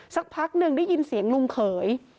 สักพักหนึ่งได้ยินเสียงลุงเขย